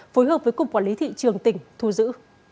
phối hợp với cục quản lý thị trường tỉnh thu giữ